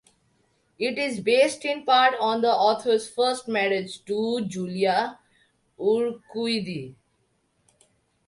It is based in part on the author's first marriage, to Julia Urquidi.